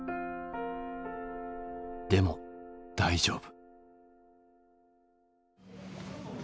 でも大丈夫。